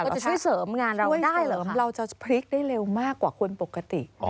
ก็จะช่วยเสริมงานเราได้หรือคะช่วยเสริมเราจะพลิกได้เร็วมากกว่าคนปกติ